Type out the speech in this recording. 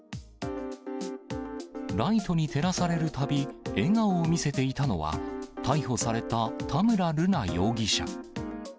ライトに照らされるたび、笑顔を見せていたのは、逮捕された田村瑠奈容疑者。